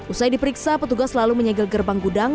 usai diperiksa petugas lalu menyegel gerbang gudang